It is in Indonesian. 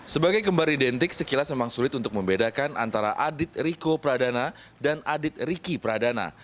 sebagai kembar identik sekilas memang sulit untuk membedakan antara adit riko pradana dan adit riki pradana